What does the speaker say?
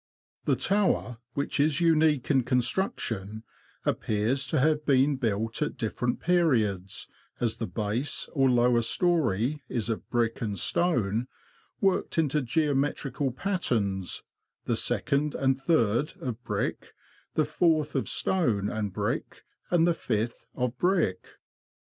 The tower, which is unique in construction, appears to have been built at different periods, as the base, or lower storey, is of brick and stone, worked into geo metrical patterns, the second and third of brick, the fourth of stone and brick, and the fifth of brick.